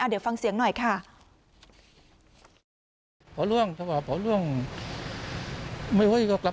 เดี๋ยวฟังเสียงหน่อยค่ะ